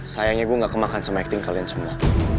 sayangnya gue gak kemakan sama acting kalian semua